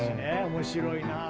面白いな。